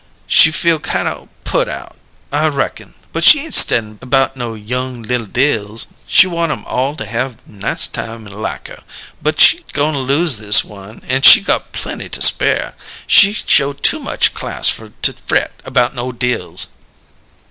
She feel kine o' put out, I reckon, but she ain't stedyin' about no young li'l Dills. She want 'em all to have nice time an' like her, but she goin' lose this one, an' she got plenty to spare. She show too much class fer to fret about no Dills."